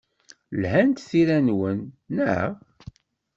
Lhant tira-nwen, naɣ?